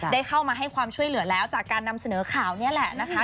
ได้เข้ามาให้ความช่วยเหลือแล้วจากการนำเสนอข่าวนี่แหละนะคะ